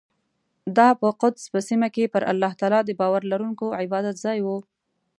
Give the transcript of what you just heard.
دا په قدس په سیمه کې پر الله تعالی د باور لرونکو عبادتځای و.